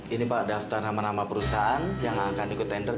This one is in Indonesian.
ini pak daftar nama nama perusahaan yang akan ikut tender